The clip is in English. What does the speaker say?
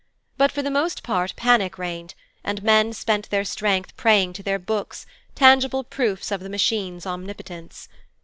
But for the most part panic reigned, and men spent their strength praying to their Books, tangible proofs of the Machine's omnipotence.